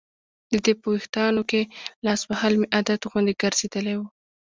د دې په ویښتانو کې لاس وهل مې عادت غوندې ګرځېدلی و.